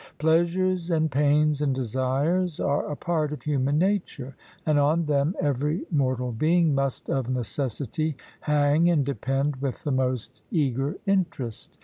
Pleasures and pains and desires are a part of human nature, and on them every mortal being must of necessity hang and depend with the most eager interest.